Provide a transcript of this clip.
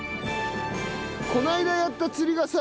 この間やった釣りがさ